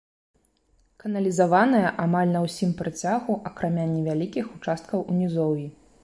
Каналізаваная амаль на ўсім працягу, акрамя невялікіх участкаў у нізоўі.